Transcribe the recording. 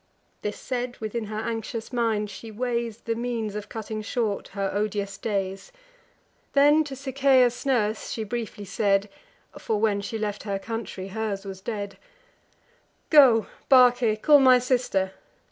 This said, within her anxious mind she weighs The means of cutting short her odious days. Then to Sichaeus' nurse she briefly said (For, when she left her country, hers was dead): "Go, Barce, call my sister.